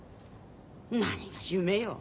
何が夢よ。